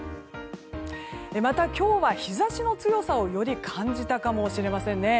また、今日は日差しの強さをより感じたかもしれませんね。